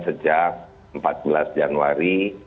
sejak empat belas januari